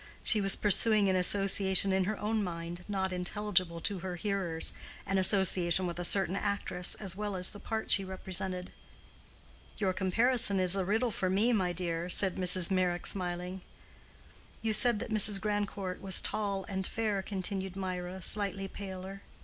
She was pursuing an association in her own mind not intelligible to her hearers—an association with a certain actress as well as the part she represented. "Your comparison is a riddle for me, my dear," said Mrs. Meyrick, smiling. "You said that Mrs. Grandcourt was tall and fair," continued Mirah, slightly paler.